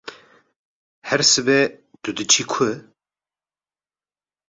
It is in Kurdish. Her sibe tu diçî ku?